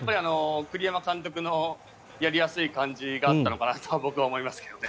栗山監督のやりやすい感じがあったのかなと思いますけどね。